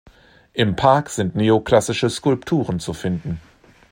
Im Park sind neoklassische Skulpturen zu finden.